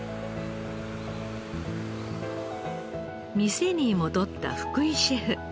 店に戻った福井シェフ